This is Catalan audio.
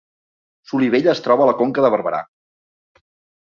Solivella es troba a la Conca de Barberà